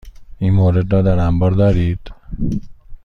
این مورد را در انبار دارید؟